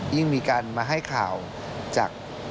ยิ่งมีการมาให้ข่าวจาก